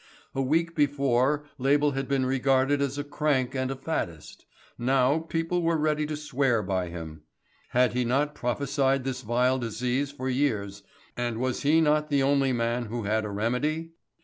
A week before Label had been regarded as a crank and a faddist; now people were ready to swear by him. Had he not prophesied this vile disease for years, and was he not the only man who had a remedy?